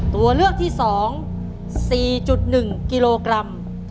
ตัวเลือกที่๒๔๑กิโลกรัม